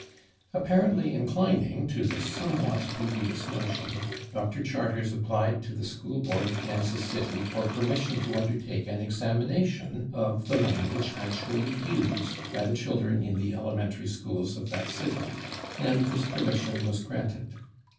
Apparently inclining to this somewhat dubious notion, Dr. Charters applied to the School Board of Kansas City for permission to undertake an examination of the language actually used by the children in the elementary schools of that city, and this permission was granted.